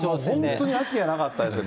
本当に秋がなかったですよね。